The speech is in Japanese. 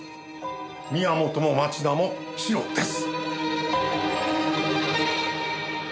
宮本も町田もシロです。